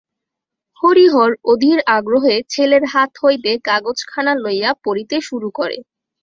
হরিহর অধীর আগ্রহে ছেলের হাত হইতে কাগজখানা লইয়া পড়িতে শুরু করে।